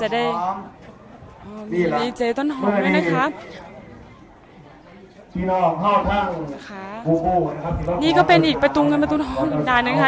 อันนี้ก็เป็นอีกประตูงกันประตูนออกด้านนี้นะคะ